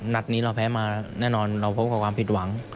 นัดนี้เราแพ้มาแน่นอนเราพบกับความผิดหวัง